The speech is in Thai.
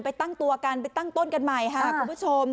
ไปตั้งตัวกันไปตั้งต้นกันใหม่ค่ะคุณผู้ชม